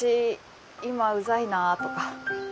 今うざいなとか。